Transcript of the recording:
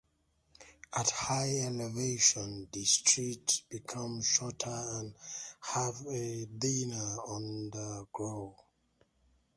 At higher elevations the trees become shorter and have a denser undergrowth.